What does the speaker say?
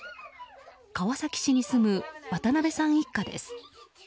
川崎市に住む渡邊さん一家です。